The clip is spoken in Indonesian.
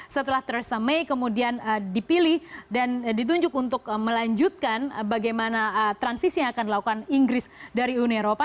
setelah theresa may kemudian dipilih dan ditunjuk untuk melanjutkan bagaimana transisi yang akan dilakukan inggris dari uni eropa